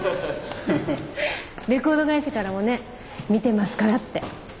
レコード会社からもね見てますからって。